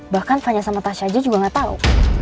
bahkan fanya sama tasya aja juga nggak tau